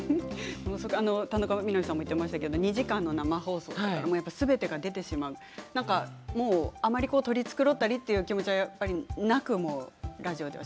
田中みな実さんも言っていましたけど２時間の生放送すべてが出てしまうということであまり取り繕ったりという気持ちはなくラジオは